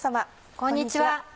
こんにちは。